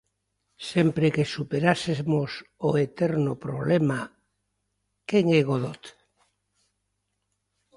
Sempre que superásemos o eterno problema: quen é Godot?